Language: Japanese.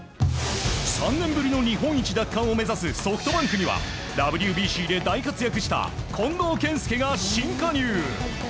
３年ぶりの日本一奪還を目指すソフトバンクにはＷＢＣで大活躍した近藤健介が新加入。